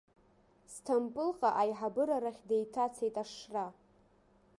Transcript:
Сҭампылҟа аиҳабыра рахь деиҭацеит ашшра.